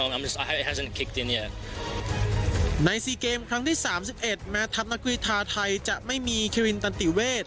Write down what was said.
ใน๔เกมครั้งที่๓๑แม้ทัพนักกรีธาไทยจะไม่มีคิรินตันติเวท